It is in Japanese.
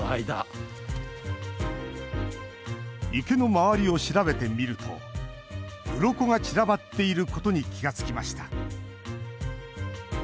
池の周りを調べてみるとうろこが散らばっていることに気が付きました。